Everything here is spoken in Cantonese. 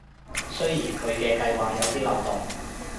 雖然佢嘅計畫有啲漏洞